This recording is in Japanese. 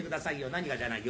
「何がじゃないよ。